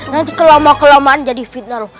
nanti kelamaan kelamaan jadi fitnah